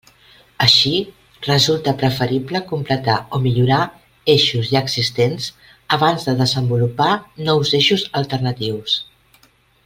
Així, resulta preferible completar o millorar eixos ja existents abans de desenvolupar nous eixos alternatius.